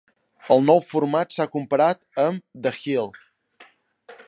El nou format s'ha comparat amb "The Hill".